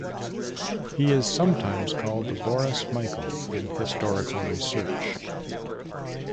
He is sometimes called Boris-Michael in historical research.